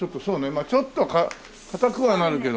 まあちょっと硬くはなるけど。